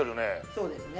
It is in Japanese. そうですね。